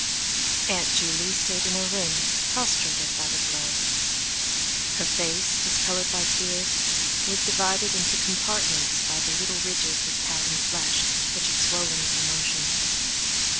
Aunt Juley stayed in her room, prostrated by the blow. Her face, discoloured by tears, was divided into compartments by the little ridges of pouting flesh which had swollen with emotion.